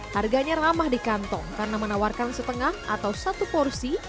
harganya ramah di kantong karena menawarkan setengah atau satu porsi